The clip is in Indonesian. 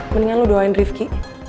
mendingan lo doain rifki